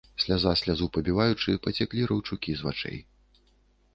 Сляза слязу пабіваючы, пацяклі раўчукі з вачэй.